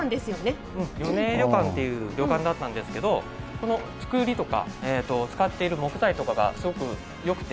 米江旅館っていう旅館だったんですけどこの造りとか使っている木材とかがすごく良くて。